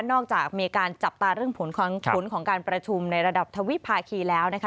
มีการจับตาเรื่องผลของการประชุมในระดับทวิภาคีแล้วนะคะ